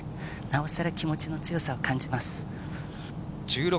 なおさら気持ちの強さを感じます。